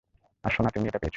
আর সোনা, তুমি এটা পেয়েছ।